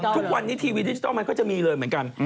ทุกวันนี้ทีวีดิจิทัลมันก็จะมีเลยเหมือนกัน